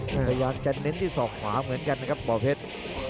พยายามจะเน้นที่ศอกขวาเหมือนกันนะครับบ่อเพชร